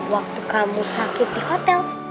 waktu kamu sakit di hotel